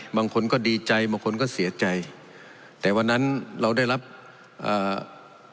บางคนก็ดีใจบางคนก็เสียใจแต่วันนั้นเราได้รับอ่า